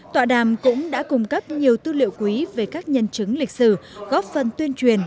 tọa đàm cũng đã cung cấp nhiều tư liệu quý về các nhân chứng lịch sử góp phần tuyên truyền